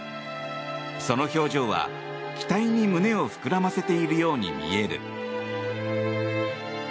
その表情は、期待に胸を膨らませているように見える。